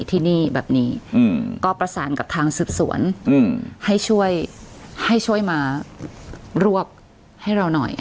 ที่นี่แบบนี้ก็ประสานกับทางสืบสวนให้ช่วยให้ช่วยมารวบให้เราหน่อย